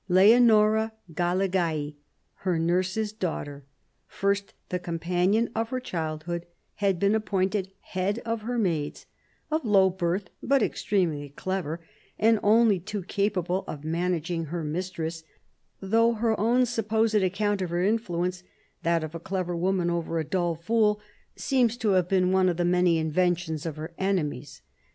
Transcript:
Leonora Galigai, her nurse's daughter, first the companion of her childhood, had been appointed head of her maids : of low birth, but extremely clever, and only too capable of managing her mistress; though her own supposed account of her influence, " that of a clever woman over a dull fool," seems to have been 8o CARDINAL DE RICHELIEU one of the many inventions of her enemies.